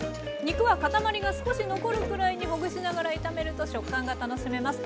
肉は塊が少し残るくらいにほぐしながら炒めると食感が楽しめます。